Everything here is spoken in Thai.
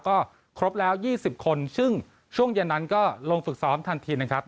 ก็ครบแล้ว๒๐คนซึ่งช่วงเย็นนั้นก็ลงฝึกซ้อมทันทีนะครับ